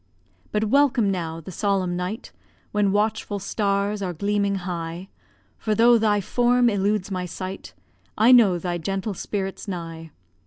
But welcome now the solemn night, When watchful stars are gleaming high, For though thy form eludes my sight, I know thy gentle spirit's nigh.